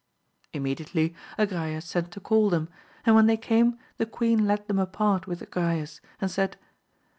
Immediately Agrayes sent to call them, and when they came the queen led them apart with Agrayes, and said.